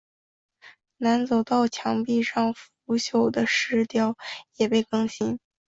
南走道墙壁上腐朽的石雕也被更新。